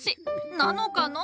なのかのう？